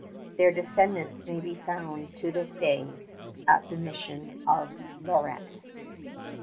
Their descendants may be found to this day at the mission of Lorette.